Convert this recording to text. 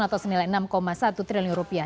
atau senilai enam satu triliun rupiah